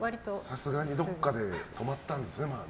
さすがにどこかで止まったんですね。